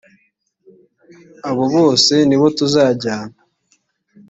abobose nibo tuzajyana.